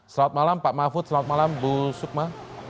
selamat malam pak mahfud selamat malam bu sukma